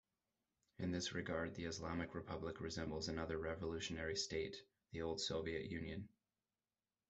In this regard the Islamic Republic resembles another revolutionary state, the old Soviet Union.